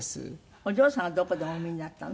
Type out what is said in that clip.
お嬢さんはどこでお産みになったの？